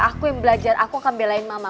aku yang belajar aku akan belain mama